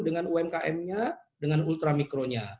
dengan umkm nya dengan ultra mikro nya